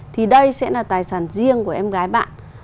thì đây sẽ là tài sản riêng của em gái bạn